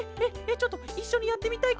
ちょっといっしょにやってみたいケロ！